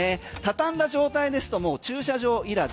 畳んだ状態ですともう駐車場いらず。